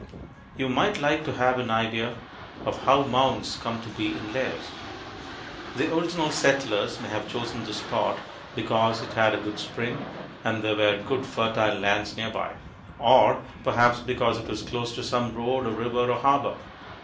You might like to have an idea of how mounds come to be in layers. The original settlers may have chosen the spot because it had a good spring and there were good fertile lands nearby, or perhaps because it was close to some road or river or harbor.